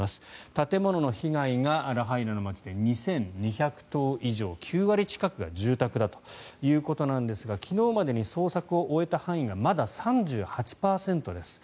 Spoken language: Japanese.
建物の被害がラハイナの街で２２００棟以上９割近くが住宅だということなんですが昨日までに捜索を終えた範囲がまだ３８％です。